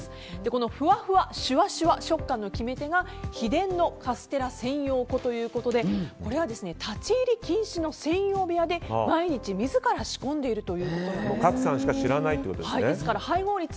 このふわふわシュワシュワ食感の決め手が秘伝のカステラ専用粉ということでこれは立ち入り禁止の専用部屋で自ら仕込んでいると。